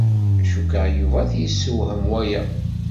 Cukkteɣ Yuba ad t-yessewhem waya.